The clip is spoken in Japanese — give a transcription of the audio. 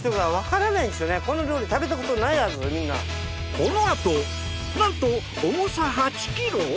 このあとなんと重さ８ｋｇ！？